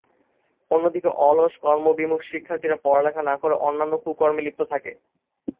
অন্যদিকে অলস, কর্মবিমুখ শিক্ষার্থীরা পড়ালেখা না করে অন্যান্য কুকর্মে লিপ্ত থাকে।